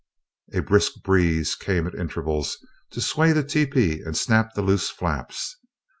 A brisk breeze came at intervals to sway the tepee and snap the loose flaps.